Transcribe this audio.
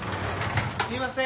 すいません！